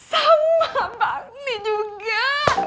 sama bakni juga